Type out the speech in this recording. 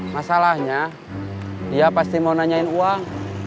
masalahnya dia pasti mau nanyain uang